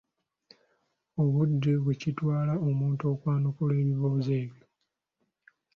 obudde bwe kitwala omuntu okwanukula ebibuuzo ebyo.